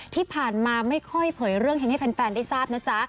ที่ผ่านมาไม่ค่อยเผยเรื่องฮินให้แฟนได้ทราบนะจ๊ะ